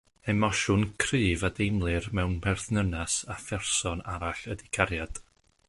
Emosiwn cryf a deimlir mewn perthynas â pherson arall ydy cariad.